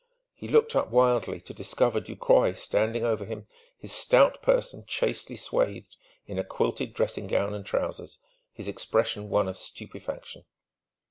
He looked up wildly, to discover Ducroy standing over him, his stout person chastely swathed in a quilted dressing gown and trousers, his expression one of stupefaction.